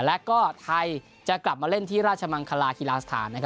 และก็ไทยจะกลับมาเล่นที่ราชมังคลาฮิลาสถาน